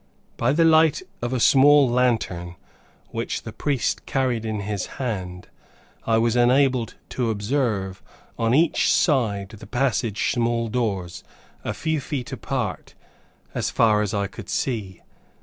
By the light of a small lantern which the priest carried in his hand, I was enabled to observe on each side the passage small doors, a few feet apart, as far as I could see.